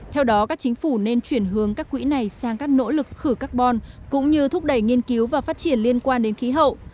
theo đó các chính phủ nên chuyển hướng các quỹ này sang các nỗ lực khử carbon cũng như thúc đẩy nghiên cứu và phát triển liên quan đến khí hậu